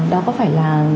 đó có phải là